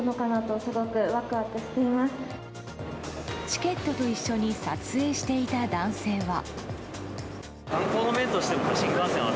チケットと一緒に撮影していた男性は。